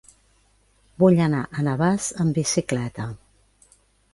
Vull anar a Navàs amb bicicleta.